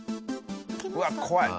うわ怖い。